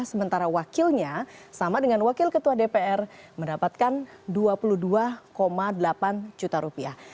sementara wakilnya sama dengan wakil ketua dpr mendapatkan dua puluh dua delapan juta rupiah